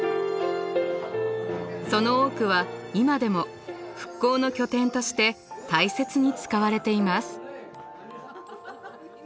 その多くは今でも復興の拠点として大切に使われています。